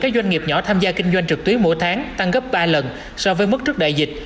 các doanh nghiệp nhỏ tham gia kinh doanh trực tuyến mỗi tháng tăng gấp ba lần so với mức trước đại dịch